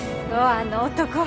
あの男。